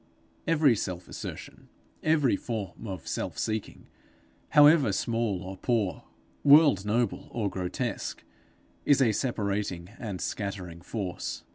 Every self assertion, every form of self seeking however small or poor, world noble or grotesque, is a separating and scattering force.